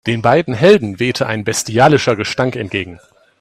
Den beiden Helden wehte ein bestialischer Gestank entgegen.